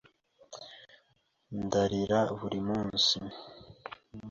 Ndarira buri munsi.